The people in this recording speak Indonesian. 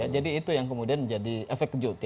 jadi itu yang kemudian jadi efek kejut